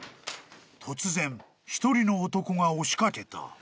［突然一人の男が押し掛けた］